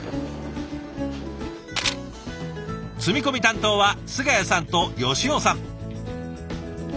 積み込み担当は菅谷さんと吉尾さん。